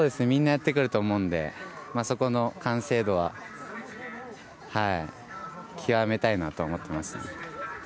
みんなやってくると思うので、そこの完成度は極めたいなと思ってます。